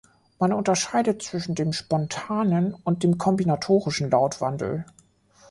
Man unterscheidet zwischen dem spontanen und dem kombinatorischen Lautwandel.